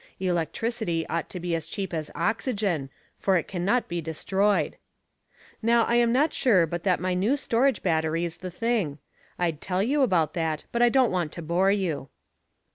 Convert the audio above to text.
Electricity ought to be as cheap as oxygen, for it can not be destroyed. "Now, I am not sure but that my new storage battery is the thing. I'd tell you about that, but I don't want to bore you.